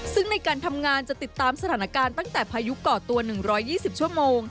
ซึ่งในการทำงานจะติดตามสถานการณ์ตั้งแต่พายุก่อตัว๑๒๐ชั่วโมง